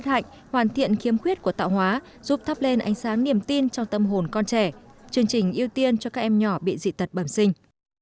các trường hợp dị tật bẩm sinh có hoàn cảnh hoàn thiện khiêm khuyết của tạo hóa giúp thắp lên ánh sáng niềm tin trong tâm hồn con trẻ chương trình ưu tiên cho các em nhỏ bị dị tật bẩm sinh